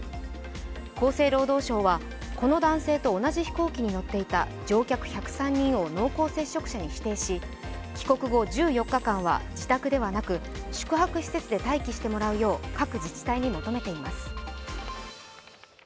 厚生労働省はこの男性と同じ飛行機に乗っていた乗客１０３人を濃厚接触者に指定し帰国後１４日間は自宅では鳴く宿泊施設で待機してもらうよう各自治体に求めています。